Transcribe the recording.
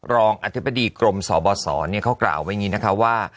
รองอธิบดีกรมสบสเขากล่าวไว้อย่างนี้นะคะว่า